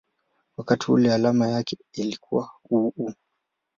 wakati ule alama yake ilikuwa µµ.